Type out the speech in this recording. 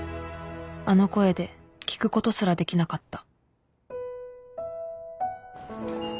あの声で聞くことすらできなかった